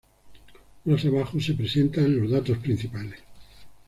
Más abajo, se presentan los datos principales.